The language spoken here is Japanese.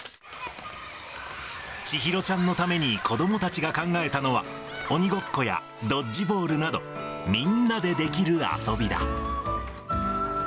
千尋ちゃんのために子どもたちが考えたのは、鬼ごっこやドッジボールなど、みんなでできる遊びだ。